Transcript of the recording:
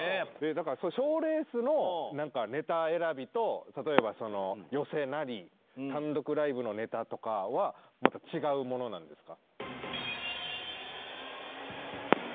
だからそういう賞レースのなんかネタ選びと例えば寄席なり単独ライブのネタとかはまた違うものなんですか？